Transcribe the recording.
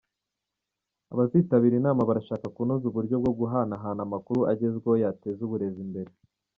Abazitabira inama barashaka kunoza uburyo bwo guhanahana amakuru agezweho yateza ubuurezi imbere.